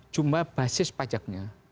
jumlah basis pajaknya